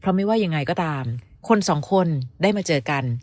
ไม่ว่ายังไงก็ตามคนสองคนได้มาเจอกัน